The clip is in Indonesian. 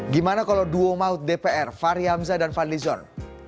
gimana kalau duo maut dpr fary hamzah dan fadli zon